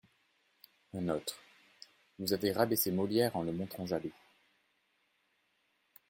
Un autre :« Vous avez rabaissé Molière en le montrant jaloux.